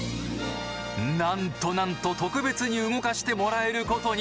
なんとなんと特別に動かしてもらえることに。